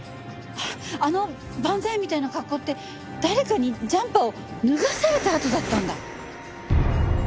あのバンザイみたいな格好って誰かにジャンパーを脱がされた跡だったんだ。